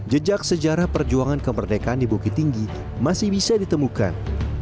jejak sejarah perjuangan kemerdekaan di bukit tinggi masih bisa ditemukan